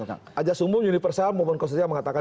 ajasumum universal momen khususnya mengatakan